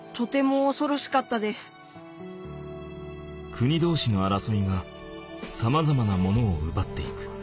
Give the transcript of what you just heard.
国同士の争いがさまざまなものを奪っていく。